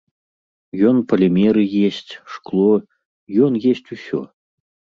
Ён палімеры есць, шкло, ён есць усё.